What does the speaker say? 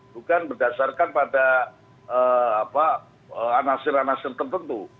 bukan berdasarkan pada anasir anasir tertentu